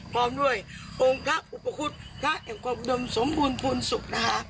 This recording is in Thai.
พร้อมด้วยองค์พระอุปคุฎพระแห่งความอุดมสมบูรณ์ภูมิสุขนะคะ